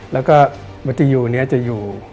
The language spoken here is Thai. แล้วก็มาตีอยู่นี้จะอยู่